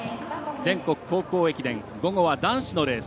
全国高校駅伝午後は男子のレース。